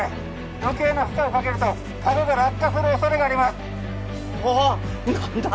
余計な負荷をかけるとカゴが落下するおそれがありますはあ？